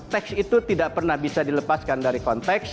teks itu tidak pernah bisa dilepaskan dari konteks